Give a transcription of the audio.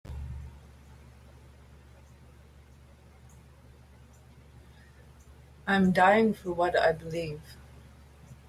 I'm dying for what I believe.